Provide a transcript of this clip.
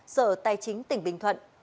sở tài chính tỉnh bình thuận